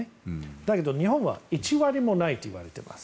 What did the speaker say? だけど、日本は１割もないといわれています。